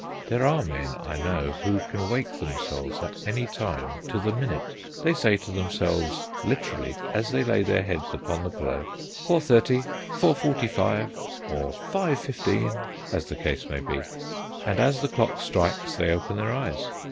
There are men I know who can wake themselves at any time to the minute. They say to themselves literally, as they lay their heads upon the pillow, "Four thirty," "Four forty five," or "Five fifteen," as the case may be; and as the clock strikes they open their eyes.